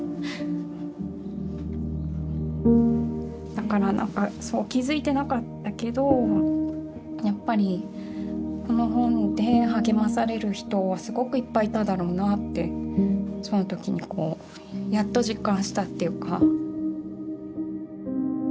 だから何かそう気付いてなかったけどやっぱりこの本で励まされる人はすごくいっぱいいただろうなってその時にやっと実感したっていうか。